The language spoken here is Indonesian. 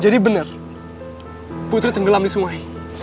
jadi bener putri tenggelam di sungai